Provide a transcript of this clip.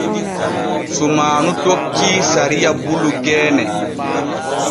Sumaanu tokkii sariya bulu geene.